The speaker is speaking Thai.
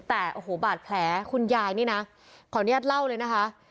แต่โอ้โหบาดแผลคุณยายนี่นะขออนุญาตเล่าเลยนะคะ